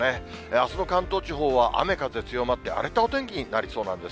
あすの関東地方は雨、風強まって、荒れたお天気になりそうなんです。